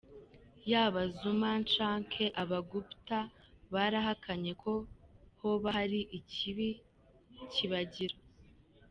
Yaba Zuma canke aba Gupta barahakanye ko hoba hari ikibi kibagira.